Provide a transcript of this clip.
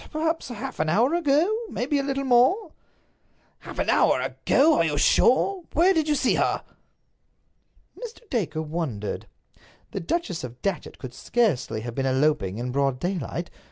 Perhaps half an hour ago; perhaps a little more." "Half an hour ago! Are you sure? Where did you see her?" Mr. Dacre wondered. The Duchess of Datchet could scarcely have been eloping in broad daylight.